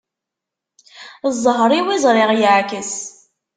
Ẓẓher-iw i ẓriɣ yeɛkes.